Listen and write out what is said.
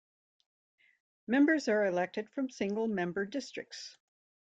Members are elected from single-member districts.